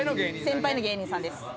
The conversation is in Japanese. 先輩の芸人さんです。